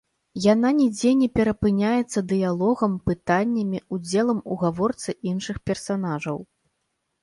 Яна нідзе не перапыняецца дыялогам, пытаннямі, удзелам у гаворцы іншых персанажаў.